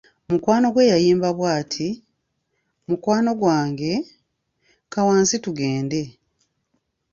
Mukwano gwe yayimba bwati, mukwano gwange, kka wansi tugende.